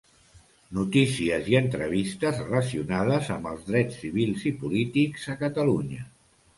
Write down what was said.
Notícies i entrevistes relacionades amb els drets civils i polítics a Catalunya.